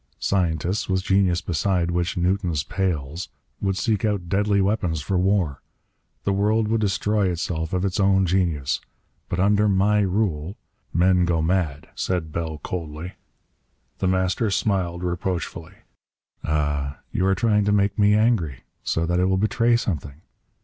Scientists, with genius beside which Newton's pales, would seek out deadly weapons for war. The world would destroy itself of its own genius. But under my rule " "Men go mad," said Bell coldly. The Master smiled reproachfully. "Ah, you are trying to make me angry, so that I will betray something!